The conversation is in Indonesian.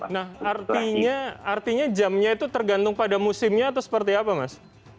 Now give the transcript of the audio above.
nah artinya jamnya itu tergantung pada musimnya atau seperti apa mas